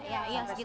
iya iya segituan